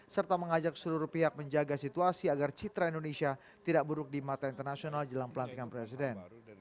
serta mengajak seluruh pihak menjaga situasi agar citra indonesia tidak buruk di mata internasional jelang pelantikan presiden